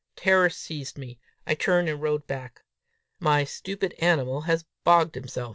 Terror seized me. I turned and rode back. "My stupid animal has bogged himself!"